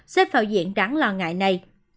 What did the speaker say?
xếp vào diện đáng lo ngại này